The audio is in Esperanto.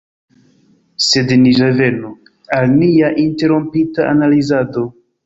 Sed ni revenu al nia interrompita analizado.